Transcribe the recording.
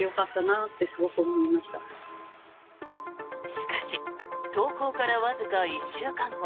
しかし、投稿からわずか１週間後。